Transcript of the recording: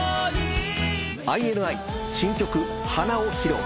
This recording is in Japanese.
ＩＮＩ新曲『ＨＡＮＡ花』を披露。